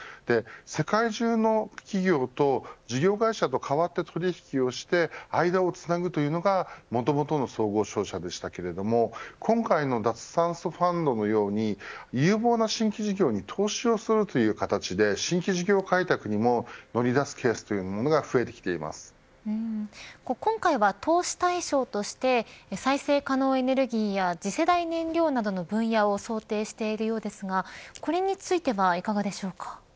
世界中の企業と事業会社と変わって取引をして間をつなぐというのがもともとの総合商社ですけども今回の脱炭素ファンドのように有望な新規事業に投資をするという形で新規事業開拓にも乗り出すケースというのが今回は投資対象として再生可能エネルギーや次世代燃料などの分野を想定しているようですがこれについてはいかがでしょうか。